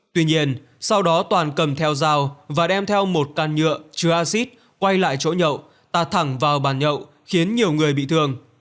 tuy nhiên sau đó toàn cầm theo dao và đem theo một can nhựa chứa acid quay lại chỗ nhậu ta thẳng vào bàn nhậu khiến nhiều người bị thương